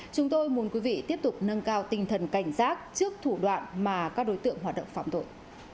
chúng tôi muốn quý vị tiếp tục nâng cao tinh thần cảnh giác trước thủ đoạn mà các đối tượng hoạt động phạm tội